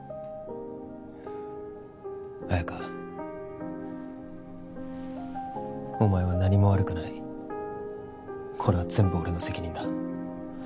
綾華お前は何も悪くないこれは全部俺の責任だ